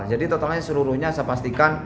jadi totalnya seluruhnya saya pastikan